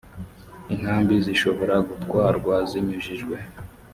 intambi zishobora gutwarwa zinyujijwe